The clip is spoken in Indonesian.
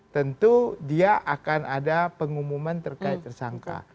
tentu dia akan ada pengumuman terkait tersangka